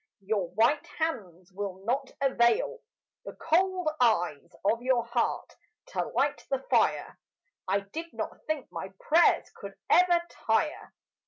Your white hands will not avail The cold eyes of your heart to light the fire. I did not think my prayers could ever tire.